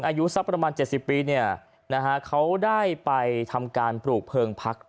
อายุซักประมาณเจ็ดสิบปีเนี่ยนะฮะเขาได้ไปทำการปลูกเพลิงพัก